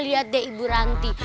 lihat deh ibu ranti